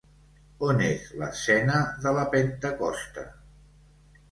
On és l'escena de la Pentecosta?